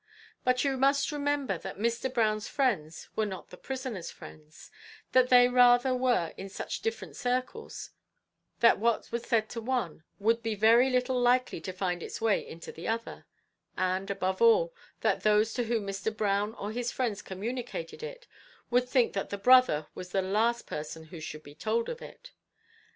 But you must remember that Mr. Brown's friends were not the prisoner's friends that they rather were in such different circles, that what was said in one, would be very little likely to find its way into the other; and above all, that those to whom Mr. Brown or his friends communicated it, would think that the brother was the last person who should be told of it.